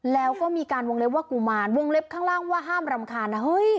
แล้วก็มีการวงเล็บว่ากุมารวงเล็บข้างล่างว่าห้ามรำคาญนะเฮ้ย